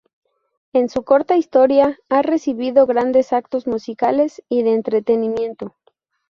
En su corta historia, ha recibido grandes actos musicales y de entretenimiento.